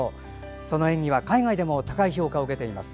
その演技は海外でも高い評価を受けています。